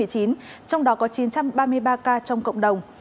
trong đó có chín trăm ba mươi ba ca trong cộng đồng